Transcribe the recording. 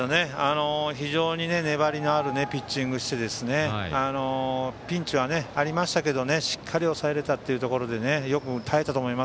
非常に粘りのあるピッチングをしてピンチはありましたけどしっかり抑えられた。